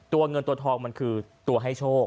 เงินตัวทองมันคือตัวให้โชค